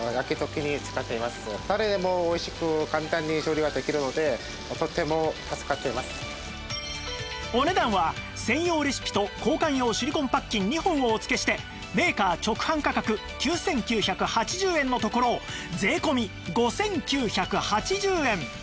実はこのお値段は専用レシピと交換用シリコンパッキン２本をお付けしてメーカー直販価格９９８０円のところを税込５９８０円